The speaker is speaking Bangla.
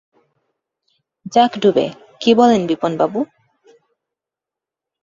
যাক ডুবে, কী বলেন বিপিনবাবু!